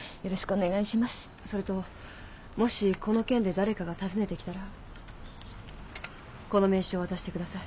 それともしこの件で誰かが訪ねてきたらこの名刺を渡してください。